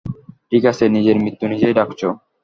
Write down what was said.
ঠিকাছে নিজের মৃত্যু নিজেই ডাকছো!